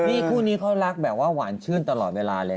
นี่คู่นี้เขารักแบบว่าหวานชื่นตลอดเวลาเลย